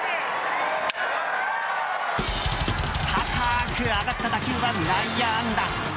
高く上がった打球は内野安打。